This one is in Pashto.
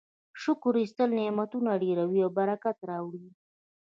شکر ایستل نعمتونه ډیروي او برکت راوړي.